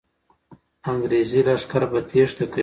انګریزي لښکر به تېښته کوي.